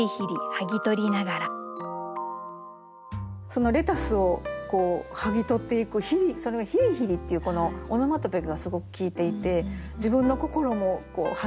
そのレタスをこう剥ぎ取っていくそれを「ひりひり」っていうこのオノマトペがすごく効いていて自分の心も剥ぎ取っていくような